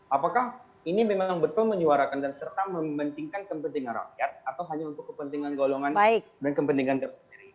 apakah ini memang betul menyuarakan dan serta mementingkan kepentingan rakyat atau hanya untuk kepentingan golongan dan kepentingan tersendiri